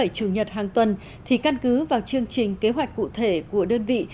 chủ nhật hàng tuần thì căn cứ vào chương trình kế hoạch cụ thể của đơn vị